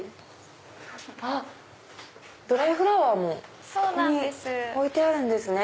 あっドライフラワーもここに置いてあるんですね。